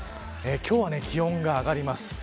今日は気温が上がります。